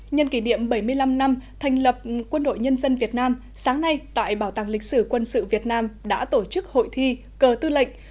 nhân kỷ niệm bảy mươi năm năm thành lập quân đội nhân dân việt nam sáng nay tại bảo tàng lịch sử quân sự việt nam đã tổ chức hội thi cờ tư lệnh